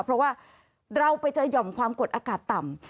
เพราะว่าเราไปเจอหย่อมความกดอากาศต่ำ